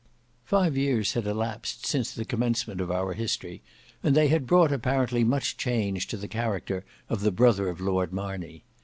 Five years had elapsed since the commencement of our history, and they had brought apparently much change to the character of the brother of Lord Marney.